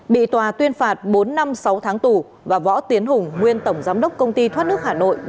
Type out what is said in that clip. bị tòa tuyên phạt bốn năm sáu tháng tù và võ tiến hùng nguyên tổng giám đốc công ty thoát nước hà nội